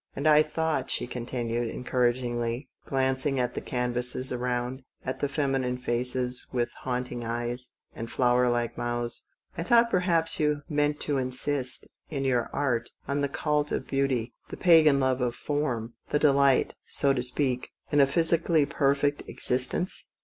And I thought," she continued encouragingly, glanc ing at the canvases around, at the feminine faces with haunting eyes and flower like mouths, "I thought perhaps you meant to insist, in your art, on the cult of beauty, the Pagan love of fonn, the delight, so to speak, in a physically perfect existence?"